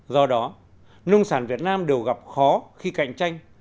do đó nông sản việt nam đều gặp khó khi cạnh tranh